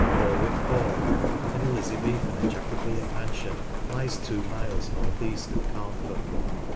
Borwick Hall, an Elizabethan and Jacobean mansion, lies two miles north east ot Carnforth.